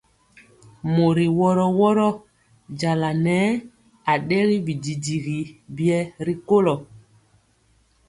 Mori woro woro njala nɛɛ adɛri bidigi biɛ rikolo.